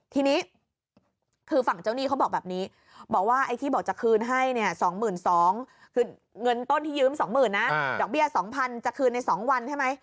ที่นี่คือทางฝั่งจะหนี้เขาบอกแบบนี้บอกว่าไอ้ที่บอกจะคืนให้๒๒๐๐๐